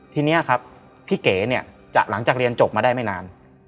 ทีนี้ครับพี่เก๋เนี่ยหลังจากเรียนจบมาได้ไม่นาน